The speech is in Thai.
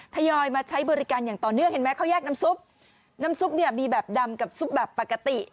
ยอยมาใช้บริการอย่างต่อเนื่องเห็นไหมเขาแยกน้ำซุปน้ำซุปเนี่ยมีแบบดำกับซุปแบบปกติ